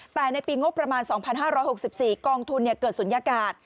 แต่ในปีงบประมาณ๒๕๖๔กองทุนเกิดศูนยากาศ